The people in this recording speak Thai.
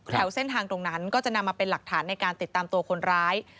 เส้นทางตรงนั้นก็จะนำมาเป็นหลักฐานในการติดตามตัวคนร้าย